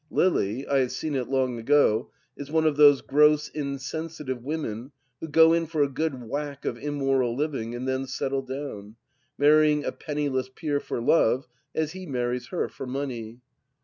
Lily — I have seen it long ago — is one of those gross, insensitive women who go in for a good whack of immoral living and then settle down, marrying a penniless peer for love, as he marries her for money.